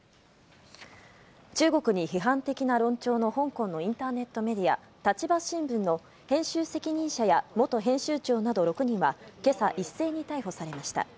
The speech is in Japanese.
中国に批判的な論調の香港のインターネットメディア、立場新聞の編集責任者や元編集長など６人は、けさ、一斉に逮捕されました。